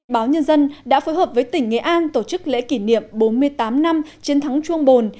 báo nhân dân đã phối hợp với tỉnh nghệ an tổ chức lễ kỷ niệm bốn mươi tám năm chiến thắng chuông bồn